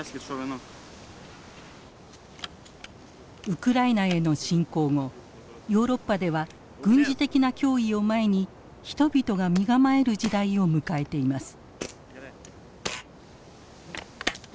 ウクライナへの侵攻後ヨーロッパでは軍事的な脅威を前に人々が身構える時代を迎えています。